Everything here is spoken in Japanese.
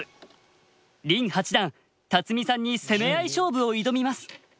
林八段辰巳さんに攻め合い勝負を挑みます。